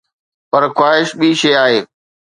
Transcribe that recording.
پر خواهش ٻي شيءِ آهي.